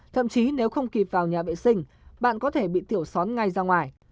thậm chí nếu không kịp vào nhà vệ sinh bạn có thể bị tiểu xón ngay ra ngoài